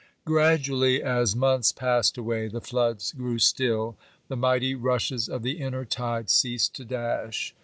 Gradually, as months passed away, the floods grew still; the mighty rushes of the inner tide ceased to dash.